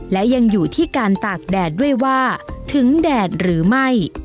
และยังอยู่ที่การตากแดดด้วยว่าถึงแดดหรือไม่